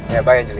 ya baik angel